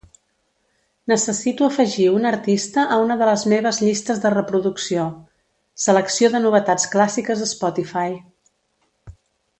Necessito afegir un artista a una de les meves llistes de reproducció, "selecció de novetats clàssiques Spotify".